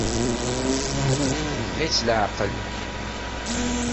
Yeffeɣ-itt leɛqel.